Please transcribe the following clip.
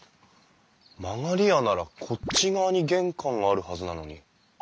曲り家ならこっち側に玄関があるはずなのに。